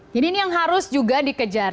jadi ini yang harus juga dikejar